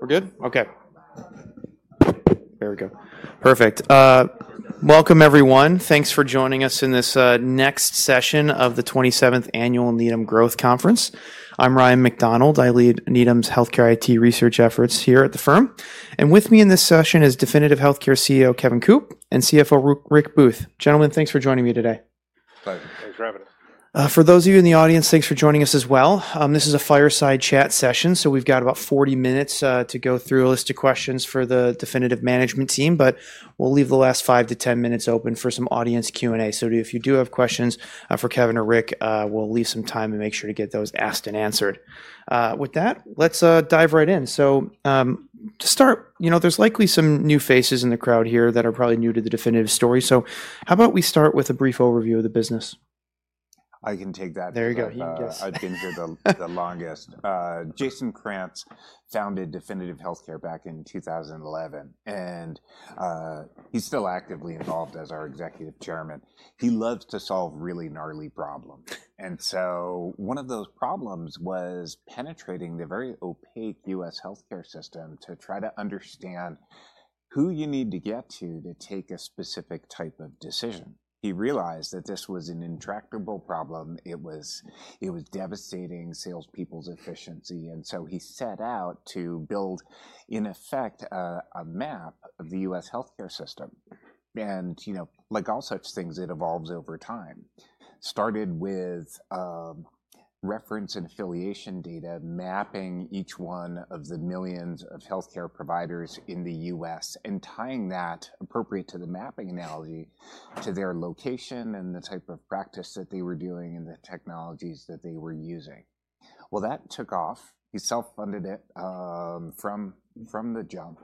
We're good? Okay. There we go. Perfect. Welcome, everyone. Thanks for joining us in this next session of the 27th Annual Needham Growth Conference. I'm Ryan MacDonald. I lead Needham's healthcare IT research efforts here at the firm. And with me in this session is Definitive Healthcare CEO Kevin Coop and CFO Rick Booth. Gentlemen, thanks for joining me today. Thanks for having us. For those of you in the audience, thanks for joining us as well. This is a fireside chat session, so we've got about 40 minutes to go through a list of questions for the Definitive management team, but we'll leave the last five to 10 minutes open for some audience Q&A. So if you do have questions for Kevin or Rick, we'll leave some time and make sure to get those asked and answered. With that, let's dive right in. So to start, there's likely some new faces in the crowd here that are probably new to the Definitive story. So how about we start with a brief overview of the business? I can take that. There you go. I've been here the longest. Jason Krantz founded Definitive Healthcare back in 2011, and he's still actively involved as our Executive Chairman. He loves to solve really gnarly problems, and so one of those problems was penetrating the very opaque U.S. healthcare system to try to understand who you need to get to to take a specific type of decision. He realized that this was an intractable problem. It was devastating salespeople's efficiency, and so he set out to build, in effect, a map of the U.S. healthcare system, and like all such things, it evolves over time. Started with reference and affiliation data, mapping each one of the millions of healthcare providers in the U.S. and tying that appropriately to the mapping analogy to their location and the type of practice that they were doing and the technologies that they were using, well, that took off. He self-funded it from the jump.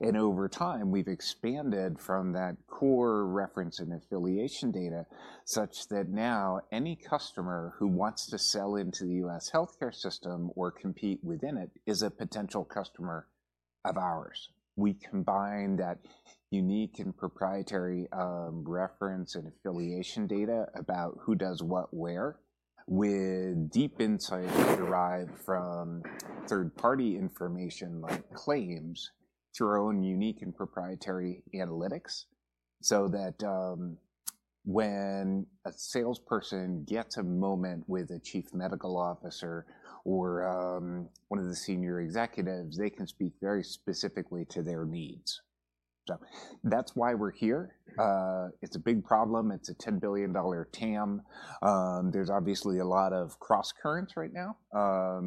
And over time, we've expanded from that core reference and affiliation data such that now any customer who wants to sell into the U.S. healthcare system or compete within it is a potential customer of ours. We combine that unique and proprietary reference and affiliation data about who does what where with deep insights derived from third-party information like claims through our own unique and proprietary analytics so that when a salesperson gets a moment with a chief medical officer or one of the senior executives, they can speak very specifically to their needs. So that's why we're here. It's a big problem. It's a $10 billion TAM. There's obviously a lot of cross currents right now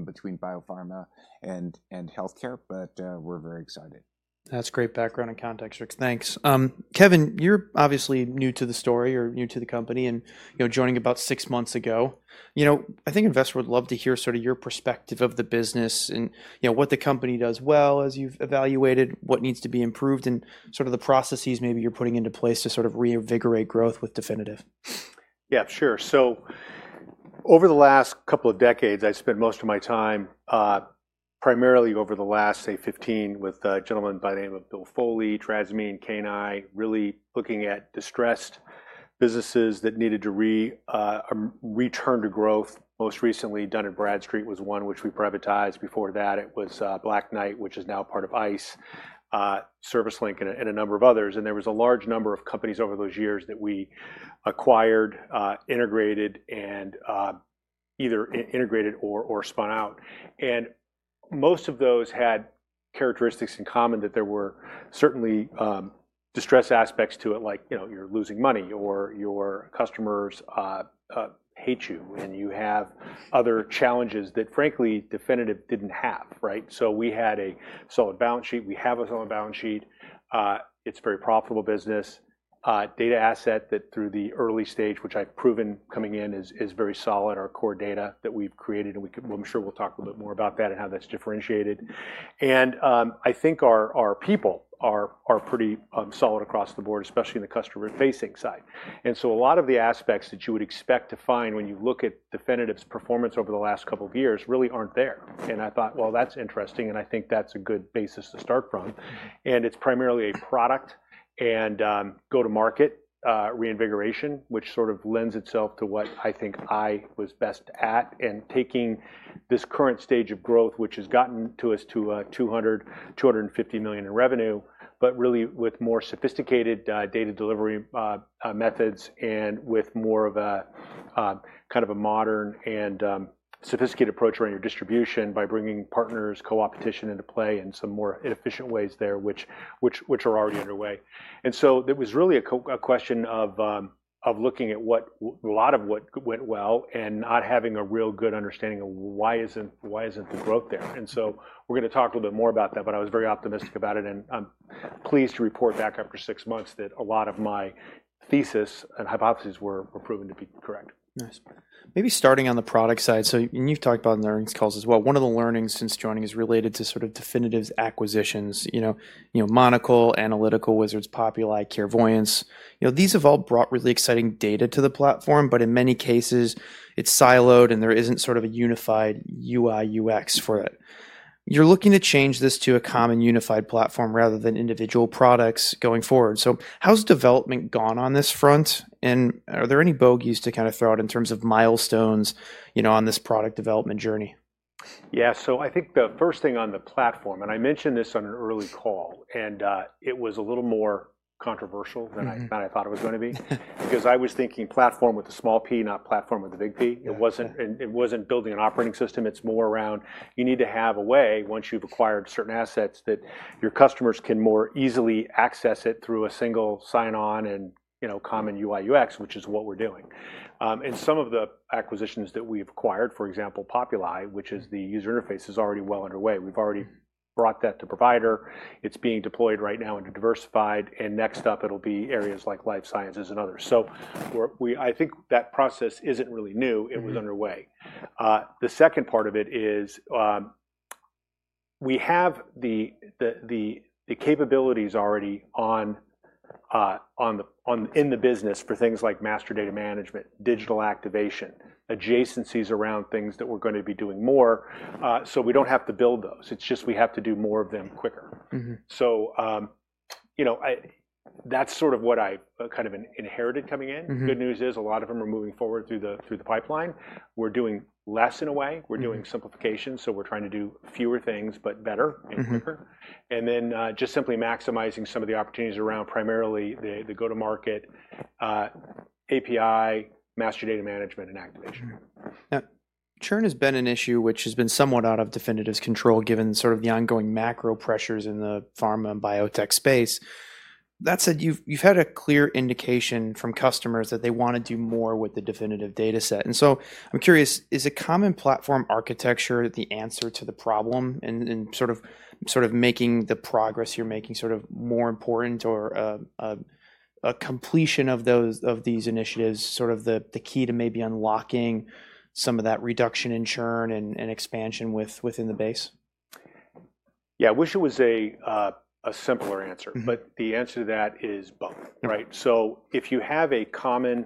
between biopharma and healthcare, but we're very excited. That's great background and context, Rick. Thanks. Kevin, you're obviously new to the story or new to the company and joining about six months ago. I think investors would love to hear sort of your perspective of the business and what the company does well as you've evaluated, what needs to be improved, and sort of the processes maybe you're putting into place to sort of reinvigorate growth with Definitive. Yeah, sure. So over the last couple of decades, I spent most of my time primarily over the last, say, 15 with a gentleman by the name of Bill Foley at Cannae, really looking at distressed businesses that needed to return to growth. Most recently Dun & Bradstreet was one which we privatized. Before that, it was Black Knight, which is now part of ICE, ServiceLink, and a number of others. And there was a large number of companies over those years that we acquired, integrated, and either integrated or spun out. And most of those had characteristics in common that there were certainly distressed aspects to it, like you're losing money or your customers hate you and you have other challenges that, frankly, Definitive didn't have. So we had a solid balance sheet. We have a solid balance sheet. It's a very profitable business data asset that, through the early stage which I've proven coming in, is very solid, our core data that we've created, and I'm sure we'll talk a little bit more about that and how that's differentiated. I think our people are pretty solid across the board, especially in the customer-facing side, and so a lot of the aspects that you would expect to find when you look at Definitive's performance over the last couple of years really aren't there, and I thought, well, that's interesting, and I think that's a good basis to start from. It's primarily a product and go-to-market reinvigoration, which sort of lends itself to what I think I was best at and taking this current stage of growth, which has gotten us to $200-250 million in revenue, but really with more sophisticated data delivery methods and with more of a kind of a modern and sophisticated approach around your distribution by bringing partners, co-opetition into play and some more efficient ways there, which are already underway. So it was really a question of looking at a lot of what went well and not having a real good understanding of why isn't the growth there. So we're going to talk a little bit more about that, but I was very optimistic about it and pleased to report back after six months that a lot of my thesis and hypotheses were proven to be correct. Nice. Maybe starting on the product side, so you've talked about learnings calls as well. One of the learnings since joining is related to sort of Definitive's acquisitions, Monocl, Analytical Wizards, Populi, CareVoyance. These have all brought really exciting data to the platform, but in many cases, it's siloed and there isn't sort of a unified UI/UX for it. You're looking to change this to a common unified platform rather than individual products going forward. So how's development gone on this front? And are there any bogeys to kind of throw out in terms of milestones on this product development journey? Yeah, so I think the first thing on the platform, and I mentioned this on an early call, and it was a little more controversial than I thought it was going to be because I was thinking platform with a small P, not platform with a big P. It wasn't building an operating system. It's more around you need to have a way once you've acquired certain assets that your customers can more easily access it through a single sign-on and common UI/UX, which is what we're doing. And some of the acquisitions that we've acquired, for example, Populi, which is the user interface, is already well underway. We've already brought that to providers. It's being deployed right now into diversified. And next up, it'll be areas like life sciences and others. So I think that process isn't really new. It was underway. The second part of it is we have the capabilities already in the business for things like master data management, digital activation, adjacencies around things that we're going to be doing more. So we don't have to build those. It's just we have to do more of them quicker. So that's sort of what I kind of inherited coming in. The good news is a lot of them are moving forward through the pipeline. We're doing less in a way. We're doing simplification. So we're trying to do fewer things, but better and quicker. And then just simply maximizing some of the opportunities around primarily the go-to-market, API, master data management, and activation. Now, churn has been an issue which has been somewhat out of Definitive's control given sort of the ongoing macro pressures in the pharma and biotech space. That said, you've had a clear indication from customers that they want to do more with the Definitive data set, and so I'm curious, is a common platform architecture the answer to the problem and sort of making the progress you're making sort of more important or a completion of these initiatives sort of the key to maybe unlocking some of that reduction in churn and expansion within the base? Yeah, I wish it was a simpler answer, but the answer to that is both. So if you have a common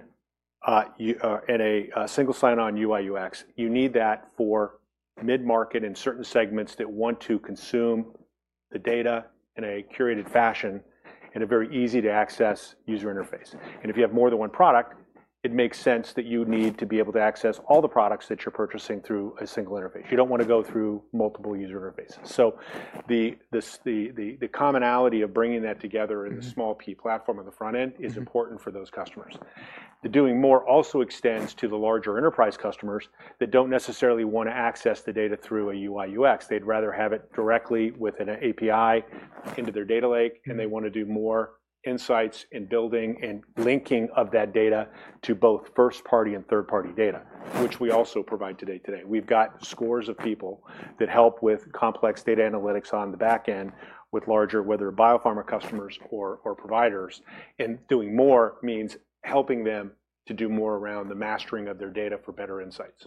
and a single sign-on UI/UX, you need that for mid-market and certain segments that want to consume the data in a curated fashion and a very easy-to-access user interface. And if you have more than one product, it makes sense that you need to be able to access all the products that you're purchasing through a single interface. You don't want to go through multiple user interfaces. So the commonality of bringing that together in the small P platform on the front end is important for those customers. The doing more also extends to the larger enterprise customers that don't necessarily want to access the data through a UI/UX. They'd rather have it directly with an API into their data lake, and they want to do more insights and building and linking of that data to both first-party and third-party data, which we also provide today. We've got scores of people that help with complex data analytics on the back end with larger, whether biopharma customers or providers, and doing more means helping them to do more around the mastering of their data for better insights.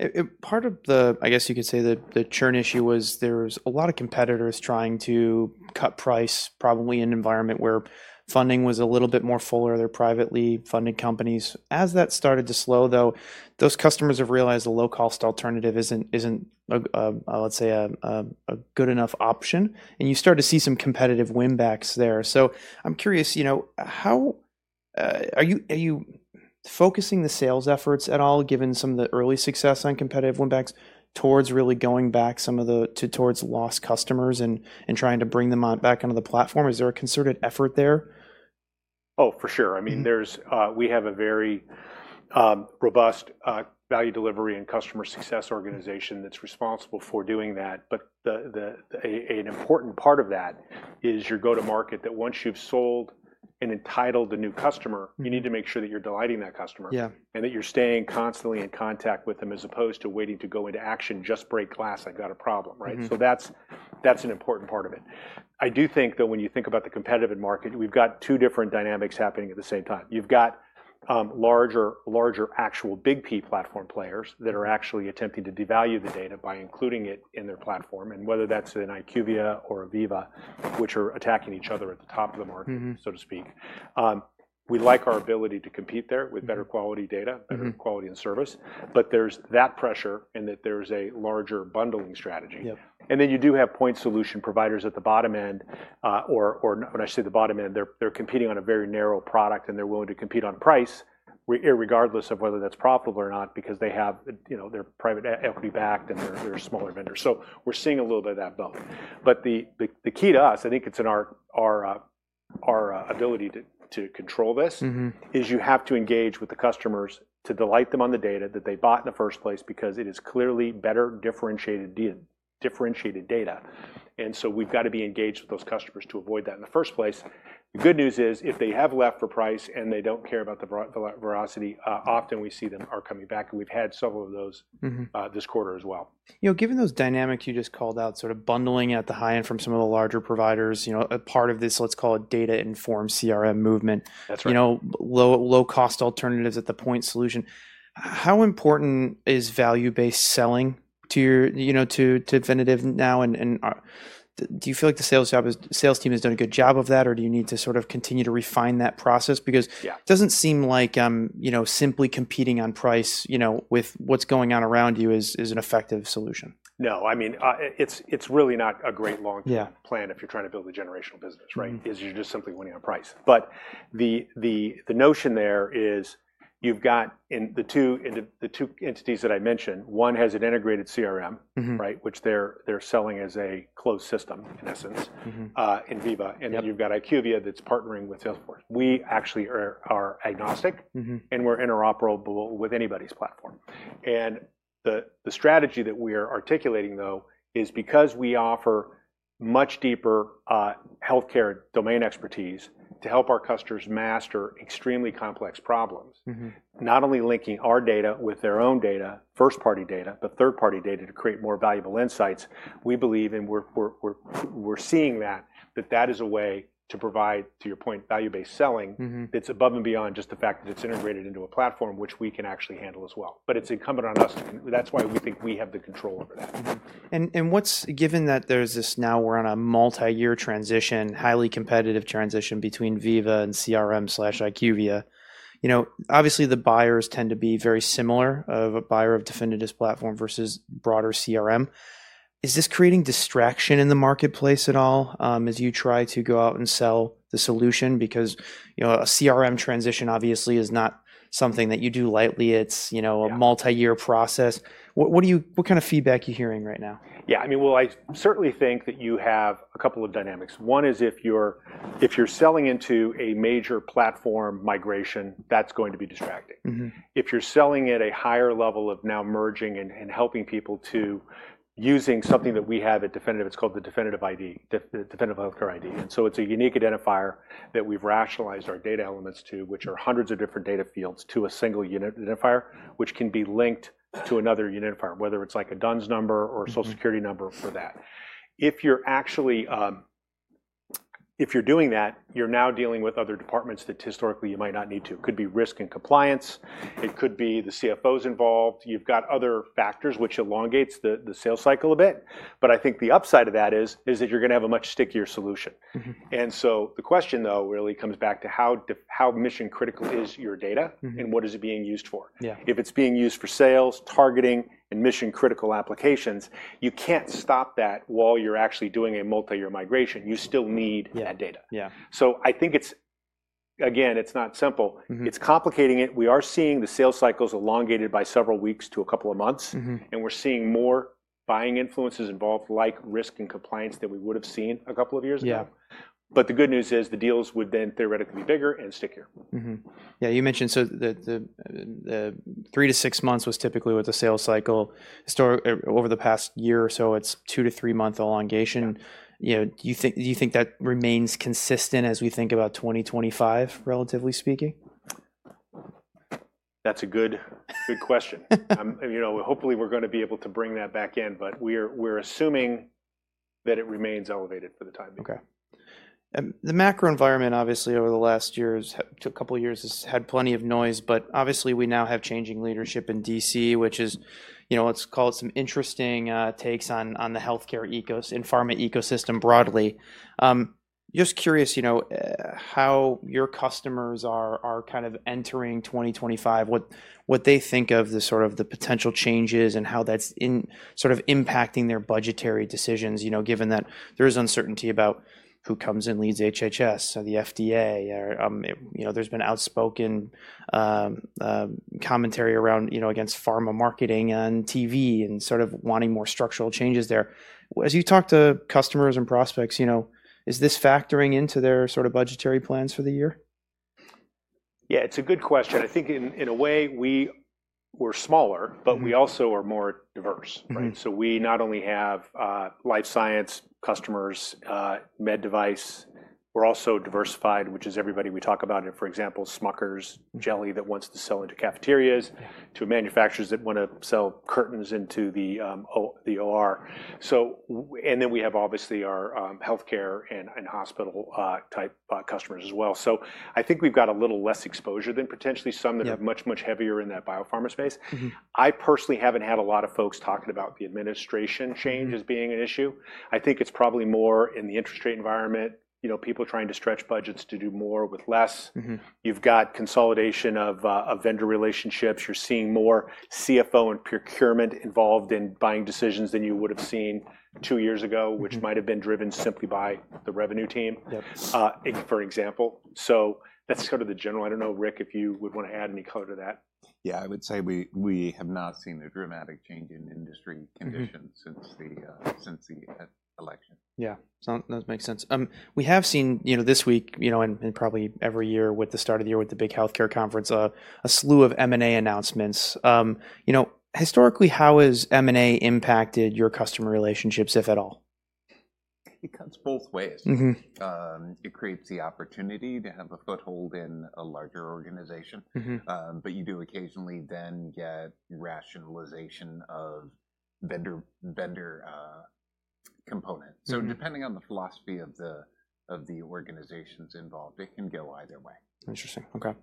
Yeah. Part of the, I guess you could say the churn issue was there was a lot of competitors trying to cut price probably in an environment where funding was a little bit more fuller. They're privately funded companies. As that started to slow, though, those customers have realized a low-cost alternative isn't, let's say, a good enough option. And you start to see some competitive win-backs there. So I'm curious, are you focusing the sales efforts at all, given some of the early success on competitive win-backs, towards really going back some of the lost customers and trying to bring them back onto the platform? Is there a concerted effort there? Oh, for sure. I mean, we have a very robust value delivery and customer success organization that's responsible for doing that. But an important part of that is your go-to-market that once you've sold and entitled a new customer, you need to make sure that you're delighting that customer and that you're staying constantly in contact with them as opposed to waiting to go into action, just break glass, I've got a problem. So that's an important part of it. I do think, though, when you think about the competitive market, we've got two different dynamics happening at the same time. You've got larger actual big P platform players that are actually attempting to devalue the data by including it in their platform. And whether that's an IQVIA or a Veeva, which are attacking each other at the top of the market, so to speak. We like our ability to compete there with better quality data, better quality and service, but there's that pressure and that there's a larger bundling strategy. And then you do have point solution providers at the bottom end, or when I say the bottom end, they're competing on a very narrow product and they're willing to compete on price regardless of whether that's profitable or not because they have their private equity backed and they're smaller vendors. So we're seeing a little bit of that both. But the key to us, I think it's in our ability to control this, is you have to engage with the customers to delight them on the data that they bought in the first place because it is clearly better differentiated data. And so we've got to be engaged with those customers to avoid that in the first place. The good news is if they have left for price and they don't care about the veracity, often we see them coming back, and we've had several of those this quarter as well. Given those dynamics you just called out, sort of bundling at the high end from some of the larger providers, a part of this, let's call it data-informed CRM movement, low-cost alternatives at the point solution. How important is value-based selling to Definitive now? And do you feel like the sales team has done a good job of that, or do you need to sort of continue to refine that process? Because it doesn't seem like simply competing on price with what's going on around you is an effective solution. No, I mean, it's really not a great long-term plan if you're trying to build a generational business, right? You're just simply winning on price. But the notion there is you've got the two entities that I mentioned. One has an integrated CRM, which they're selling as a closed system in essence in Veeva. And then you've got IQVIA that's partnering with Salesforce. We actually are agnostic and we're interoperable with anybody's platform. And the strategy that we are articulating, though, is because we offer much deeper healthcare domain expertise to help our customers master extremely complex problems, not only linking our data with their own data, first-party data, but third-party data to create more valuable insights. We believe and we're seeing that that is a way to provide, to your point, value-based selling that's above and beyond just the fact that it's integrated into a platform, which we can actually handle as well. But it's incumbent on us. That's why we think we have the control over that. Given that there's this now we're on a multi-year transition, highly competitive transition between Veeva and CRM/IQVIA, obviously the buyers tend to be very similar of a buyer of Definitive's platform versus broader CRM. Is this creating distraction in the marketplace at all as you try to go out and sell the solution? Because a CRM transition obviously is not something that you do lightly. It's a multi-year process. What kind of feedback are you hearing right now? Yeah, I mean, well, I certainly think that you have a couple of dynamics. One is if you're selling into a major platform migration, that's going to be distracting. If you're selling at a higher level of now merging and helping people to using something that we have at Definitive, it's called the Definitive ID, Definitive Healthcare ID. And so it's a unique identifier that we've rationalized our data elements to, which are hundreds of different data fields to a single unit identifier, which can be linked to another unit identifier, whether it's like a DUNS number or a Social Security number for that. If you're doing that, you're now dealing with other departments that historically you might not need to. It could be risk and compliance. It could be the CFOs involved. You've got other factors, which elongates the sales cycle a bit. But I think the upside of that is that you're going to have a much stickier solution. And so the question, though, really comes back to how mission-critical is your data and what is it being used for? If it's being used for sales, targeting, and mission-critical applications, you can't stop that while you're actually doing a multi-year migration. You still need that data. So I think, again, it's not simple. It's complicating it. We are seeing the sales cycles elongated by several weeks to a couple of months. And we're seeing more buying influences involved, like risk and compliance that we would have seen a couple of years ago. But the good news is the deals would then theoretically be bigger and stickier. Yeah, you mentioned so the three to six months was typically what the sales cycle over the past year or so. It's two- to three-month elongation. Do you think that remains consistent as we think about 2025, relatively speaking? That's a good question. Hopefully, we're going to be able to bring that back in, but we're assuming that it remains elevated for the time being. Okay. The macro environment, obviously, over the last year to a couple of years has had plenty of noise, but obviously we now have changing leadership in D.C., which is, let's call it some interesting takes on the healthcare ecosystem and pharma ecosystem broadly. Just curious how your customers are kind of entering 2025, what they think of the sort of the potential changes and how that's sort of impacting their budgetary decisions, given that there is uncertainty about who comes and leads HHS or the FDA. There's been outspoken commentary around against pharma marketing and TV and sort of wanting more structural changes there. As you talk to customers and prospects, is this factoring into their sort of budgetary plans for the year? Yeah, it's a good question. I think in a way, we're smaller, but we also are more diverse. So we not only have life science customers, med device, we're also diversified, which is everybody we talk about, for example, Smucker's, jelly that wants to sell into cafeterias, to manufacturers that want to sell curtains into the OR. And then we have obviously our healthcare and hospital-type customers as well. So I think we've got a little less exposure than potentially some that are much, much heavier in that biopharma space. I personally haven't had a lot of folks talking about the administration change as being an issue. I think it's probably more in the interest rate environment, people trying to stretch budgets to do more with less. You've got consolidation of vendor relationships. You're seeing more CFO and procurement involved in buying decisions than you would have seen two years ago, which might have been driven simply by the revenue team, for example. So that's sort of the general. I don't know, Rick, if you would want to add any color to that. Yeah, I would say we have not seen a dramatic change in industry conditions since the election. Yeah, that makes sense. We have seen this week and probably every year with the start of the year with the big healthcare conference, a slew of M&A announcements. Historically, how has M&A impacted your customer relationships, if at all? It comes both ways. It creates the opportunity to have a foothold in a larger organization, but you do occasionally then get rationalization of vendor components. So depending on the philosophy of the organizations involved, it can go either way. Interesting. Okay.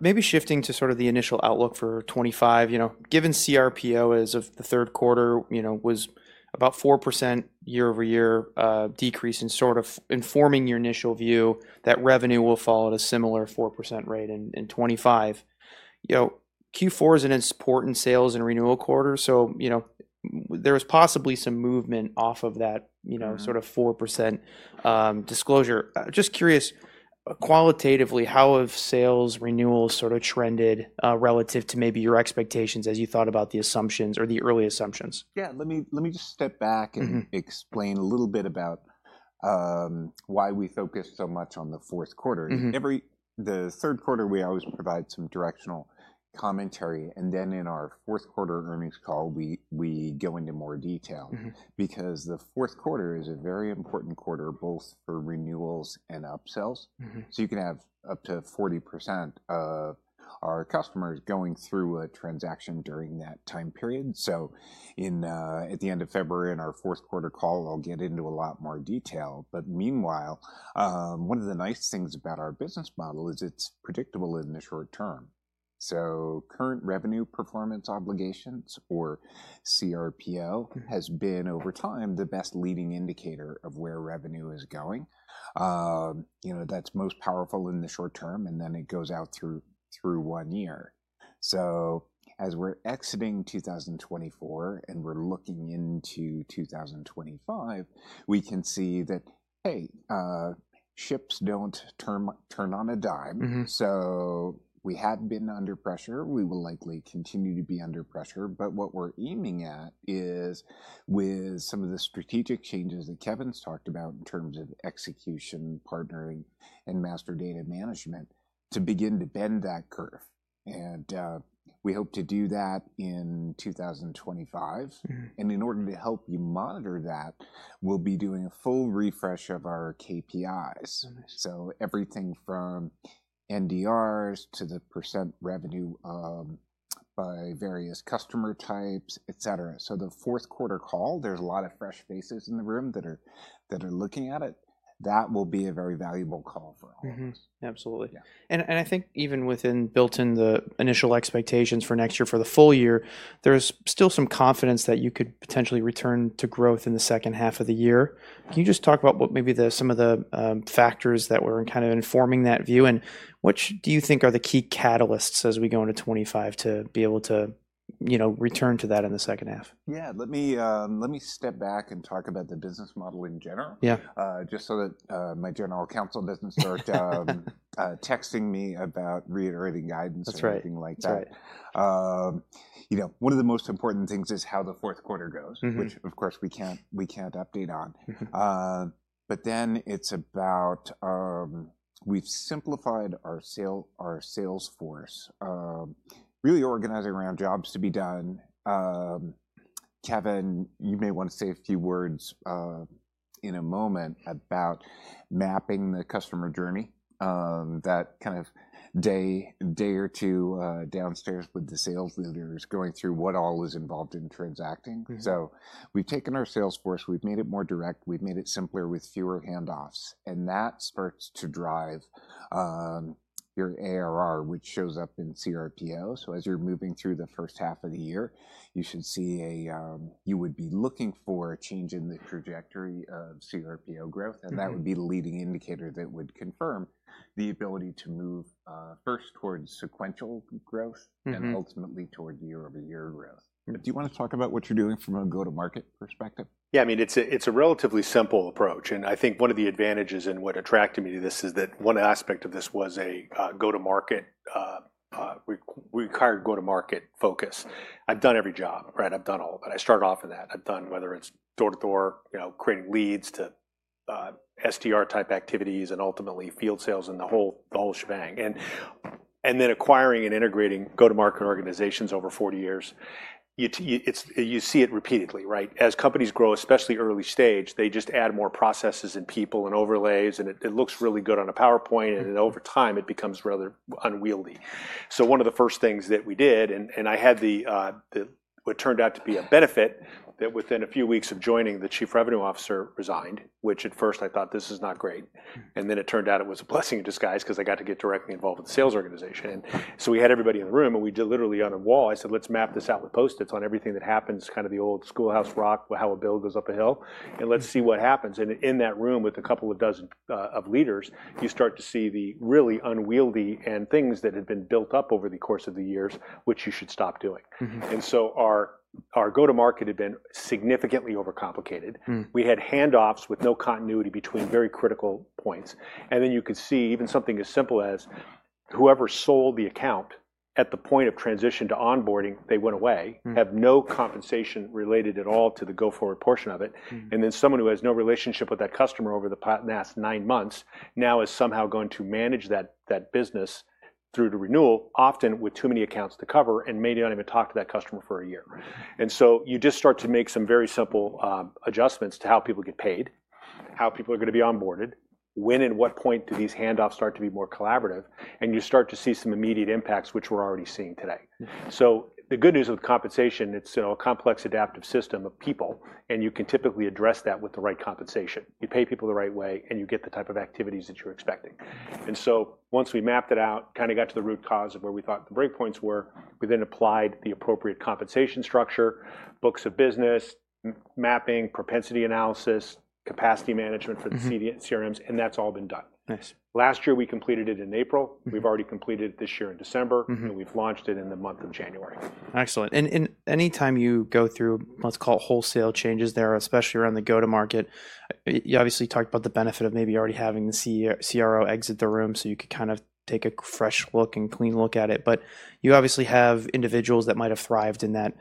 Maybe shifting to sort of the initial outlook for 2025, given CRPO as of the third quarter was about 4% year-over-year decrease in sort of informing your initial view that revenue will fall at a similar 4% rate in 2025. Q4 is an important sales and renewal quarter. So there was possibly some movement off of that sort of 4% disclosure. Just curious, qualitatively, how have sales renewals sort of trended relative to maybe your expectations as you thought about the assumptions or the early assumptions? Yeah, let me just step back and explain a little bit about why we focused so much on the fourth quarter. The third quarter, we always provide some directional commentary. And then in our fourth quarter earnings call, we go into more detail because the fourth quarter is a very important quarter both for renewals and upsells. So you can have up to 40% of our customers going through a transaction during that time period. So at the end of February in our fourth quarter call, I'll get into a lot more detail. But meanwhile, one of the nice things about our business model is it's predictable in the short term. So current revenue performance obligations or CRPO has been over time the best leading indicator of where revenue is going. That's most powerful in the short term, and then it goes out through one year. As we're exiting 2024 and we're looking into 2025, we can see that, hey, ships don't turn on a dime. We had been under pressure. We will likely continue to be under pressure. But what we're aiming at is with some of the strategic changes that Kevin's talked about in terms of execution, partnering, and master data management to begin to bend that curve. We hope to do that in 2025. In order to help you monitor that, we'll be doing a full refresh of our KPIs. Everything from NDRs to the % revenue by various customer types, etc. The fourth quarter call, there's a lot of fresh faces in the room that are looking at it. That will be a very valuable call for all of us. Absolutely. And I think even built in the initial expectations for next year for the full year, there's still some confidence that you could potentially return to growth in the second half of the year. Can you just talk about maybe some of the factors that were kind of informing that view? And what do you think are the key catalysts as we go into 2025 to be able to return to that in the second half? Yeah, let me step back and talk about the business model in general, just so that my general counsel business starts texting me about reiterating guidance or anything like that. One of the most important things is how the fourth quarter goes, which of course we can't update on. But then it's about we've simplified our sales force, really organizing around jobs to be done. Kevin, you may want to say a few words in a moment about mapping the customer journey, that kind of day or two downstairs with the sales leaders going through what all is involved in transacting. So we've taken our sales force, we've made it more direct, we've made it simpler with fewer handoffs. And that starts to drive your ARR, which shows up in CRPO. As you're moving through the first half of the year, you should see, you would be looking for a change in the trajectory of CRPO growth. That would be the leading indicator that would confirm the ability to move first towards sequential growth and ultimately toward year-over-year growth. Do you want to talk about what you're doing from a go-to-market perspective? Yeah, I mean, it's a relatively simple approach. And I think one of the advantages and what attracted me to this is that one aspect of this was a go-to-market we hired go-to-market focus. I've done every job, right? I've done all of it. I started off with that. I've done whether it's door-to-door, creating leads to SDR-type activities and ultimately field sales and the whole shebang. And then acquiring and integrating go-to-market organizations over 40 years, you see it repeatedly, right? As companies grow, especially early stage, they just add more processes and people and overlays. And it looks really good on a PowerPoint. And over time, it becomes rather unwieldy. One of the first things that we did, and I had what turned out to be a benefit that within a few weeks of joining, the chief revenue officer resigned, which at first I thought, this is not great. And then it turned out it was a blessing in disguise because I got to get directly involved with the sales organization. And so we had everybody in the room and we did literally on a wall. I said, let's map this out with Post-Its on everything that happens, kind of the old Schoolhouse Rock, how a bill goes up a hill. And let's see what happens. And in that room with a couple of dozen leaders, you start to see the really unwieldy and things that had been built up over the course of the years, which you should stop doing. Our go-to-market had been significantly overcomplicated. We had handoffs with no continuity between very critical points. Then you could see even something as simple as whoever sold the account at the point of transition to onboarding; they went away and have no compensation related at all to the go-forward portion of it. Then someone who has no relationship with that customer over the past nine months now is somehow going to manage that business through the renewal, often with too many accounts to cover and maybe not even talk to that customer for a year. So you just start to make some very simple adjustments to how people get paid, how people are going to be onboarded, when and what point do these handoffs start to be more collaborative, and you start to see some immediate impacts, which we're already seeing today. So the good news with compensation, it's a complex adaptive system of people, and you can typically address that with the right compensation. You pay people the right way and you get the type of activities that you're expecting. And so once we mapped it out, kind of got to the root cause of where we thought the breakpoints were, we then applied the appropriate compensation structure, books of business, mapping, propensity analysis, capacity management for the CRMs, and that's all been done. Last year, we completed it in April. We've already completed it this year in December, and we've launched it in the month of January. Excellent, and anytime you go through, let's call it wholesale changes there, especially around the go-to-market, you obviously talked about the benefit of maybe already having the CRO exit the room so you could kind of take a fresh look and clean look at it, but you obviously have individuals that might have thrived in that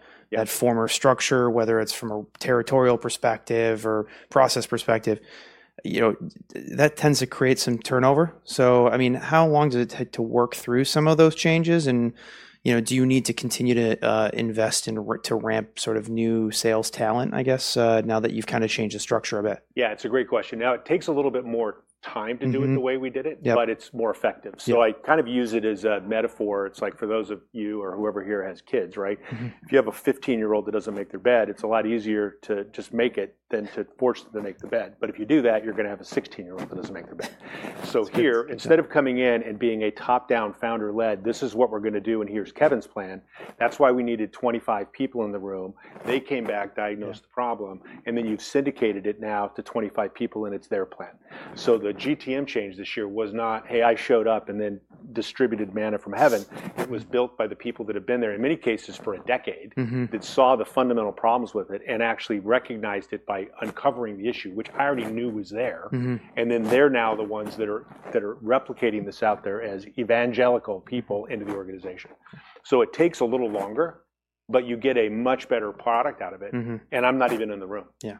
former structure, whether it's from a territorial perspective or process perspective. That tends to create some turnover, so I mean, how long does it take to work through some of those changes, and do you need to continue to invest in to ramp sort of new sales talent, I guess, now that you've kind of changed the structure a bit? Yeah, it's a great question. Now, it takes a little bit more time to do it the way we did it, but it's more effective. So I kind of use it as a metaphor. It's like for those of you or whoever here has kids, right? If you have a 15-year-old that doesn't make their bed, it's a lot easier to just make it than to force them to make the bed. But if you do that, you're going to have a 16-year-old that doesn't make their bed. So here, instead of coming in and being a top-down founder-led, this is what we're going to do and here's Kevin's plan. That's why we needed 25 people in the room. They came back, diagnosed the problem, and then you've syndicated it now to 25 people and it's their plan. So the GTM change this year was not, hey, I showed up and then distributed manna from heaven. It was built by the people that have been there in many cases for a decade that saw the fundamental problems with it and actually recognized it by uncovering the issue, which I already knew was there. And then they're now the ones that are replicating this out there as evangelical people into the organization. So it takes a little longer, but you get a much better product out of it. And I'm not even in the room. Yeah.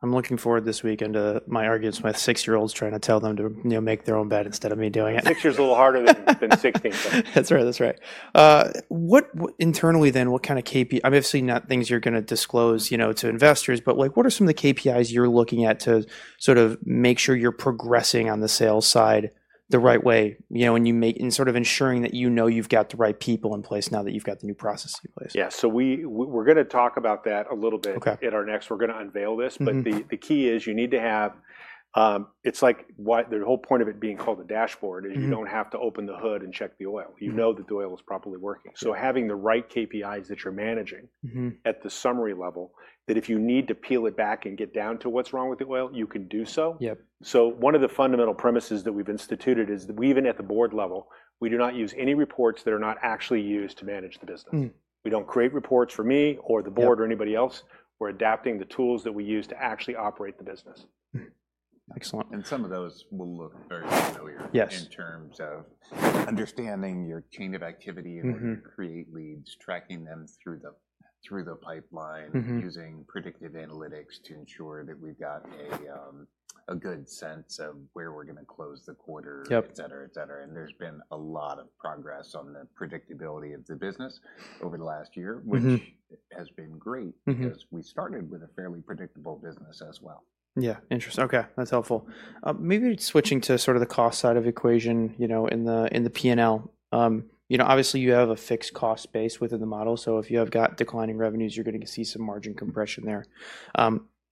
I'm looking forward this weekend to my arguments with my six-year-olds trying to tell them to make their own bed instead of me doing it. Six years is a little harder than sixteen though. That's right. That's right. Internally then, what kind of KPI? Obviously, not things you're going to disclose to investors, but what are some of the KPIs you're looking at to sort of make sure you're progressing on the sales side the right way and sort of ensuring that you know you've got the right people in place now that you've got the new process in place? Yeah, so we're going to talk about that a little bit in our next, we're going to unveil this, but the key is you need to have. It's like the whole point of it being called a dashboard is you don't have to open the hood and check the oil. You know that the oil is properly working, so having the right KPIs that you're managing at the summary level that if you need to peel it back and get down to what's wrong with the oil, you can do so, so one of the fundamental premises that we've instituted is that even at the board level, we do not use any reports that are not actually used to manage the business. We don't create reports for me or the board or anybody else. We're adapting the tools that we use to actually operate the business. Excellent. And some of those will look very familiar in terms of understanding your chain of activity and create leads, tracking them through the pipeline, using predictive analytics to ensure that we've got a good sense of where we're going to close the quarter, etc., etc. And there's been a lot of progress on the predictability of the business over the last year, which has been great because we started with a fairly predictable business as well. Yeah. Interesting. Okay. That's helpful. Maybe switching to sort of the cost side of the equation in the P&L. Obviously, you have a fixed cost base within the model. So if you have got declining revenues, you're going to see some margin compression there.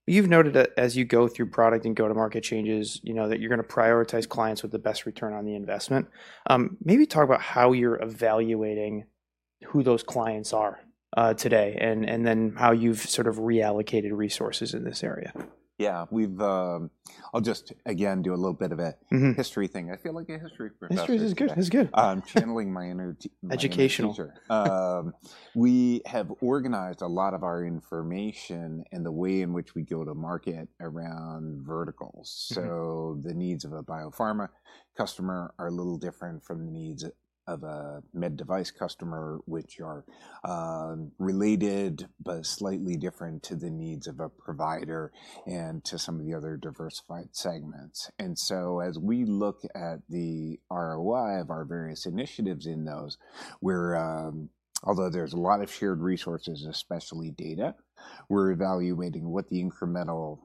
You've noted that as you go through product and go-to-market changes, that you're going to prioritize clients with the best return on the investment. Maybe talk about how you're evaluating who those clients are today and then how you've sort of reallocated resources in this area. Yeah. I'll just again do a little bit of a history thing. I feel like a history professor. History is good. It's good. I'm channeling my energy. Educational. We have organized a lot of our information and the way in which we go to market around verticals. So the needs of a biopharma customer are a little different from the needs of a med device customer, which are related but slightly different to the needs of a provider and to some of the other diversified segments. And so as we look at the ROI of our various initiatives in those, although there's a lot of shared resources, especially data, we're evaluating what the incremental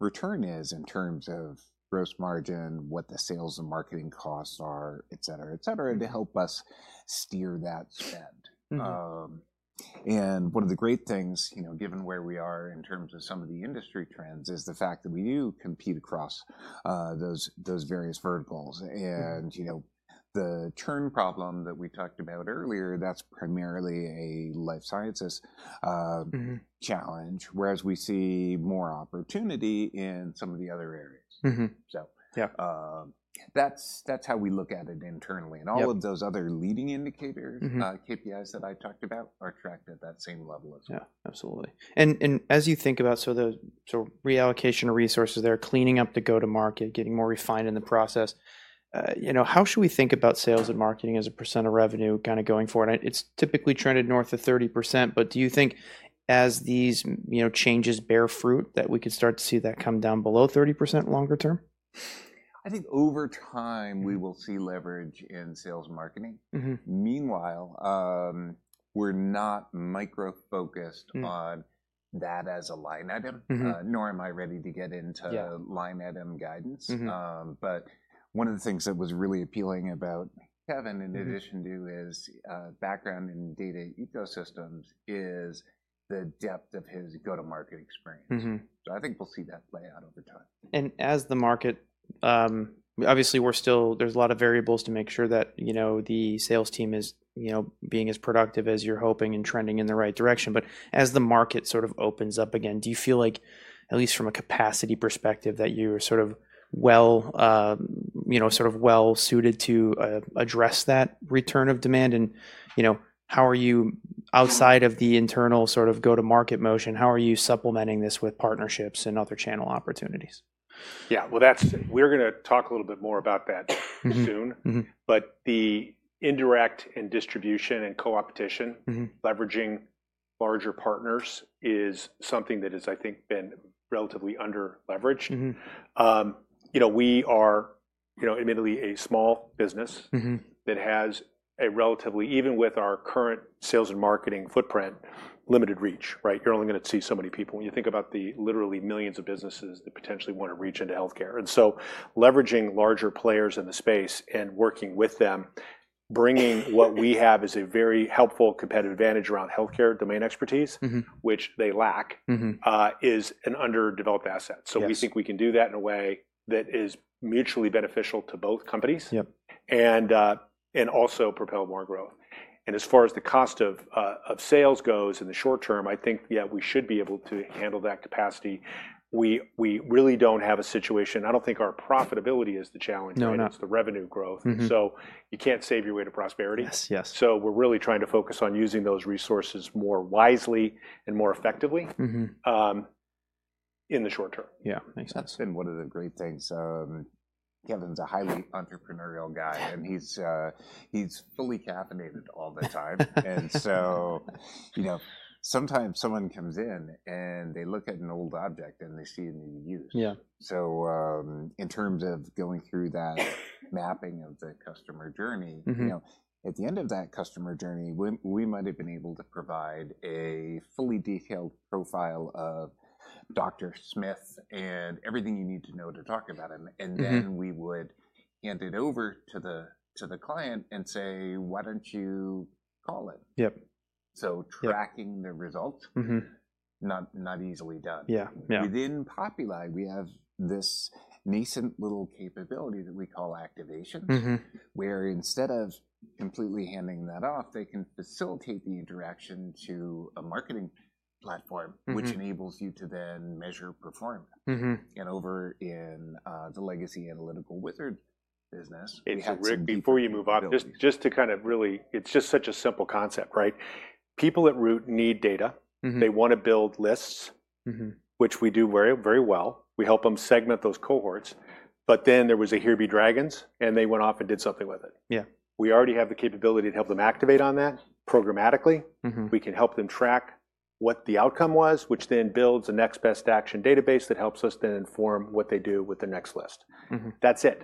return is in terms of gross margin, what the sales and marketing costs are, etc., etc., to help us steer that spend. And one of the great things, given where we are in terms of some of the industry trends, is the fact that we do compete across those various verticals. And the churn problem that we talked about earlier, that's primarily a life sciences challenge, whereas we see more opportunity in some of the other areas. So that's how we look at it internally. And all of those other leading indicators, KPIs that I talked about, are tracked at that same level as well. Yeah. Absolutely. And as you think about sort of the reallocation of resources there, cleaning up the go-to-market, getting more refined in the process, how should we think about sales and marketing as a percent of revenue kind of going forward? It's typically trended north of 30%, but do you think as these changes bear fruit that we could start to see that come down below 30% longer term? I think over time we will see leverage in sales and marketing. Meanwhile, we're not micro-focused on that as a line item, nor am I ready to get into line item guidance. But one of the things that was really appealing about Kevin, in addition to his background in data ecosystems, is the depth of his go-to-market experience. So I think we'll see that play out over time. As the market, obviously, there's a lot of variables to make sure that the sales team is being as productive as you're hoping and trending in the right direction. As the market sort of opens up again, do you feel like, at least from a capacity perspective, that you're sort of well-suited to address that return of demand? How are you, outside of the internal sort of go-to-market motion, how are you supplementing this with partnerships and other channel opportunities? Yeah. Well, we're going to talk a little bit more about that soon. But the indirect and distribution and co-opetition, leveraging larger partners, is something that has, I think, been relatively under-leveraged. We are admittedly a small business that has a relatively, even with our current sales and marketing footprint, limited reach, right? You're only going to see so many people when you think about the literally millions of businesses that potentially want to reach into healthcare. And so leveraging larger players in the space and working with them, bringing what we have as a very helpful competitive advantage around healthcare domain expertise, which they lack, is an underdeveloped asset. So we think we can do that in a way that is mutually beneficial to both companies and also propel more growth. As far as the cost of sales goes in the short term, I think, yeah, we should be able to handle that capacity. We really don't have a situation. I don't think our profitability is the challenge. No, not at all. It's the revenue growth. And so you can't save your way to prosperity. So we're really trying to focus on using those resources more wisely and more effectively in the short term. Yeah. Makes sense. And one of the great things, Kevin's a highly entrepreneurial guy, and he's fully caffeinated all the time. And so sometimes someone comes in and they look at an old object and they see it needed used. So in terms of going through that mapping of the customer journey, at the end of that customer journey, we might have been able to provide a fully detailed profile of Dr. Smith and everything you need to know to talk about him. And then we would hand it over to the client and say, "Why don't you call him?" So tracking the results, not easily done. Within Populi, we have this nascent little capability that we call activations, where instead of completely handing that off, they can facilitate the interaction to a marketing platform, which enables you to then measure performance. And over in the legacy Analytical Wizards business. Hey, Rick, before you move on, just to kind of really, it's just such a simple concept, right? People, at root, need data. They want to build lists, which we do very well. We help them segment those cohorts. But then there was a here be dragons, and they went off and did something with it. We already have the capability to help them activate on that programmatically. We can help them track what the outcome was, which then builds a next best action database that helps us then inform what they do with the next list. That's it,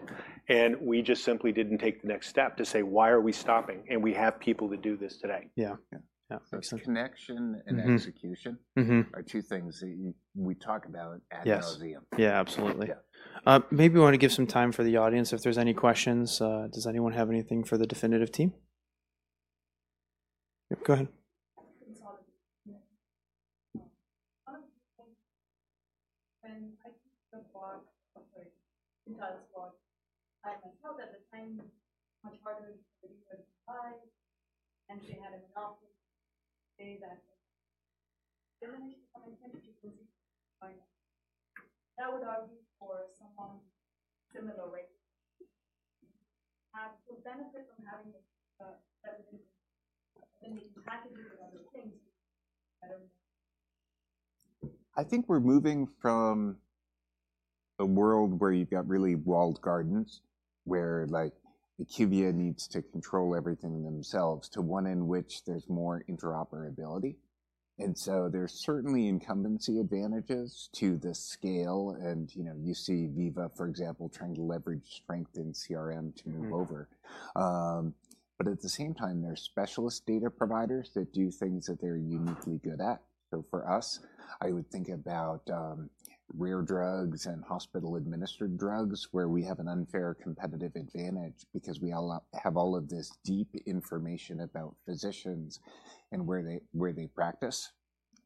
and we just simply didn't take the next step to say, "Why are we stopping?", and we have people to do this today. Yeah. Yeah. Makes sense. Connection and execution are two things that we talk about at the museum. Yeah. Absolutely. Maybe we want to give some time for the audience if there's any questions. Does anyone have anything for the Definitive team? Yep. Go ahead. I think the boss, I myself at the time. Much harder to get people to buy, and she had enough to say that that would argue for someone similar to have the benefit of having the packages and other things. I think we're moving from a world where you've got really walled gardens, where IQVIA needs to control everything themselves, to one in which there's more interoperability, and so there's certainly incumbency advantages to the scale, and you see Veeva, for example, trying to leverage strength in CRM to move over, but at the same time, there are specialist data providers that do things that they're uniquely good at, so for us, I would think about rare drugs and hospital-administered drugs, where we have an unfair competitive advantage because we have all of this deep information about physicians and where they practice.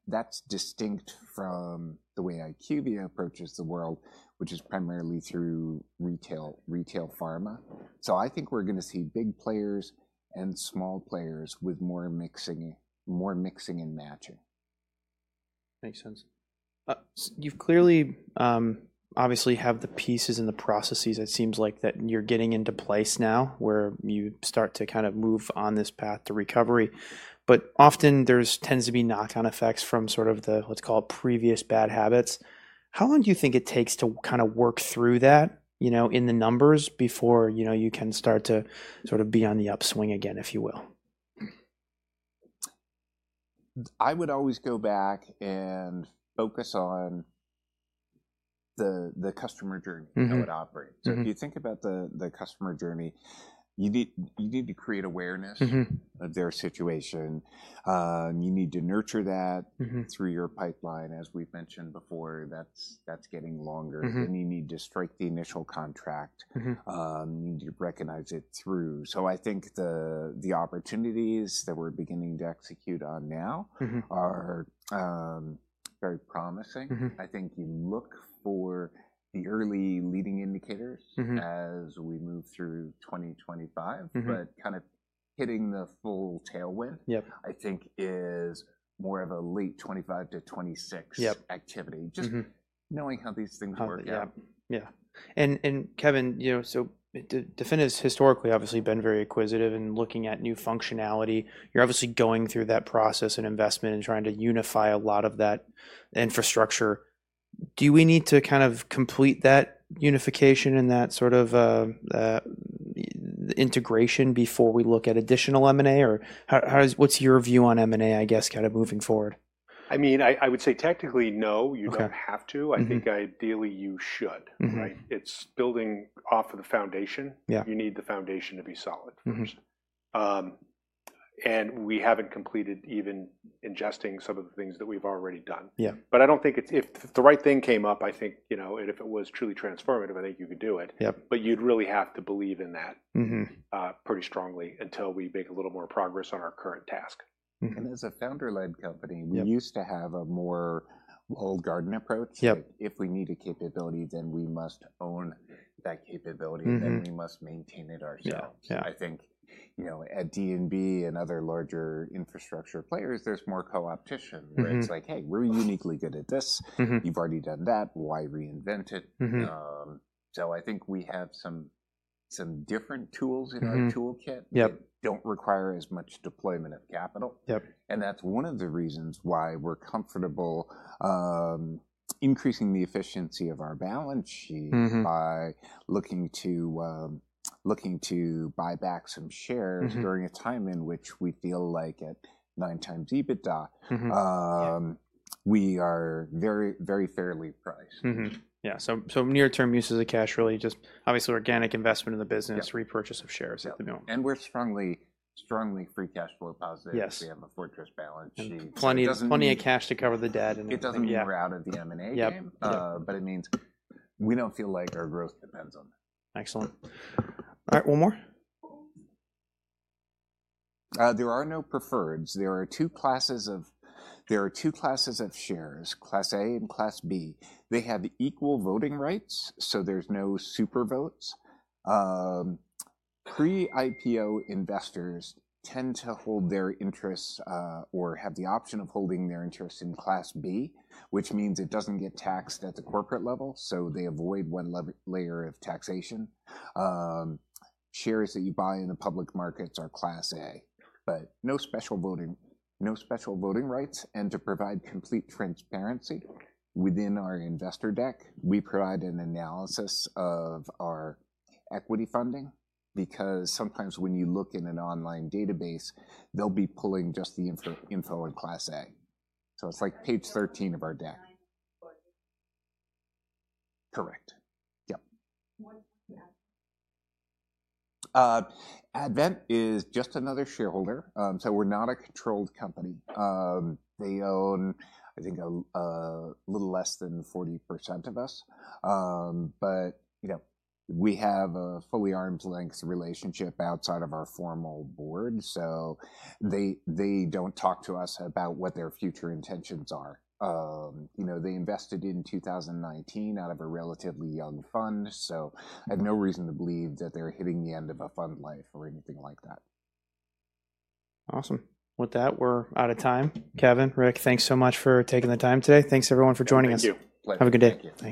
That's distinct from the way IQVIA approaches the world, which is primarily through retail pharma, so I think we're going to see big players and small players with more mixing and matching. Makes sense. You clearly, obviously, have the pieces and the processes it seems like that you're getting into place now, where you start to kind of move on this path to recovery. But often, there tends to be knock-on effects from sort of the, let's call it, previous bad habits. How long do you think it takes to kind of work through that in the numbers before you can start to sort of be on the upswing again, if you will? I would always go back and focus on the customer journey and how it operates. So if you think about the customer journey, you need to create awareness of their situation. You need to nurture that through your pipeline, as we've mentioned before. That's getting longer. Then you need to strike the initial contract. You need to recognize it through. So I think the opportunities that we're beginning to execute on now are very promising. I think you look for the early leading indicators as we move through 2025. But kind of hitting the full tailwind, I think, is more of a late 2025 to 2026 activity. Just knowing how these things work out. Yeah. Yeah. And Kevin, so Definitive's historically, obviously, been very acquisitive in looking at new functionality. You're obviously going through that process and investment and trying to unify a lot of that infrastructure. Do we need to kind of complete that unification and that sort of integration before we look at additional M&A? Or what's your view on M&A, I guess, kind of moving forward? I mean, I would say technically, no. You don't have to. I think ideally you should, right? It's building off of the foundation. You need the foundation to be solid. And we haven't completed even ingesting some of the things that we've already done. But I don't think it's if the right thing came up. I think if it was truly transformative, I think you could do it. But you'd really have to believe in that pretty strongly until we make a little more progress on our current task. As a founder-led company, we used to have a more old-guard approach. If we need a capability, then we must own that capability, and then we must maintain it ourselves. I think at D&B and other larger infrastructure players, there's more co-opetition, where it's like, "Hey, we're uniquely good at this. You've already done that. Why reinvent it?" I think we have some different tools in our toolkit that don't require as much deployment of capital. That's one of the reasons why we're comfortable increasing the efficiency of our balance sheet by looking to buy back some shares during a time in which we feel like at nine times EBITDA, we are very, very fairly priced. Yeah. So near-term use of the cash really just, obviously, organic investment in the business, repurchase of shares. And we're strongly free cash flow positive. We have a fortress balance sheet. Plenty of cash to cover the debt and. It doesn't wear out at the M&A, but it means we don't feel like our growth depends on that. Excellent. All right. One more? There are no preferreds. There are two classes of shares, Class A and Class B. They have equal voting rights, so there's no super votes. Pre-IPO investors tend to hold their interests or have the option of holding their interests in Class B, which means it doesn't get taxed at the corporate level, so they avoid one layer of taxation. Shares that you buy in the public markets are Class A. But no special voting rights. And to provide complete transparency within our investor deck, we provide an analysis of our equity funding because sometimes when you look in an online database, they'll be pulling just the info in Class A. So it's like page 13 of our deck. Correct. Yep. Advent is just another shareholder. So we're not a controlled company. They own, I think, a little less than 40% of us. But we have a fully arm's-length relationship outside of our formal board. So they don't talk to us about what their future intentions are. They invested in 2019 out of a relatively young fund, so I have no reason to believe that they're hitting the end of a fund life or anything like that. Awesome. With that, we're out of time. Kevin, Rick, thanks so much for taking the time today. Thanks, everyone, for joining us. Thank you. Have a good day. Thank you.